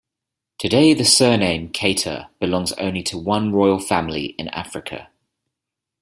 Today the surname Keita belongs only to one royal family in Africa.